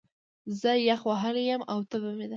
زه يخ وهلی يم، او تبه مې ده